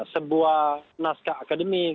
sebuah naskah akademik